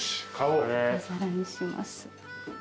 お皿にします。